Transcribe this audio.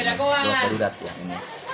langsung ke ruang dua perudat ya